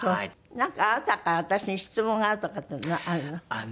なんかあなたから私に質問があるとかってあるの？